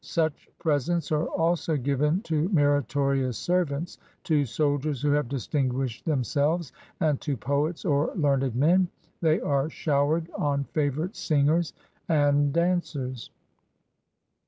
Such pres ents are also given to meritorious servants, to soldiers who have distinguished themselves, and to poets or learned men : they are showered on favorite singers and dancers.